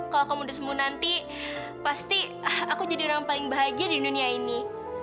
kalau kamu udah sembuh nanti pasti aku jadi orang paling bahagia di dunia ini